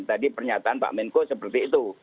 tadi pernyataan pak menko seperti itu